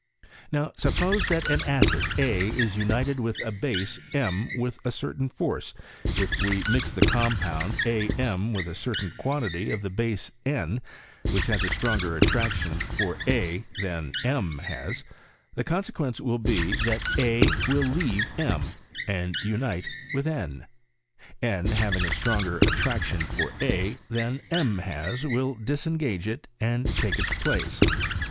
Now, suppose that an acid a is united with a base m with a certain force, if we mix the com pound a m with a certain quantity of the base n, which has a stronger attraction for a than m has, the consequence will be, that a will leave m and unite with n; — n having a stronger attraction for a than m has, will disengage it and take its place.